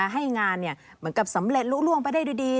ให้งานเหมือนกับสำเร็จลุ้งไปได้ดี